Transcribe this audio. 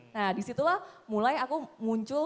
nah disitulah mulai aku muncul